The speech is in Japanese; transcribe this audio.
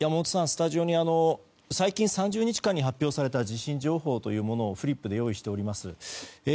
スタジオに最近３０日間に発表された地震情報をフリップで用意しております。